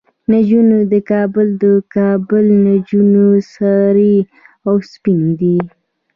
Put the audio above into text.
نجونه د کابل، د کابل نجونه سرې او سپينې دي